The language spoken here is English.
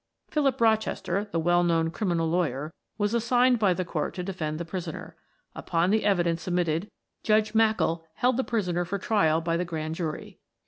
"Philip Rochester, the well known criminal lawyer, was assigned by the court to defend the prisoner. Upon the evidence submitted Judge Mackall held the prisoner for trial by the grand jury.